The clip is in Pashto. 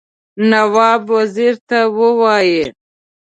نواب وزیر ته ووايي.